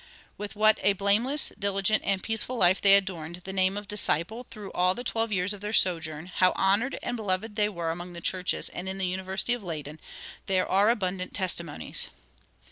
With what a blameless, diligent, and peaceful life they adorned the name of disciple through all the twelve years of their sojourn, how honored and beloved they were among the churches and in the University of Leyden, there are abundant testimonies.